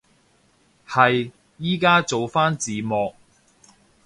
係，依家做返字幕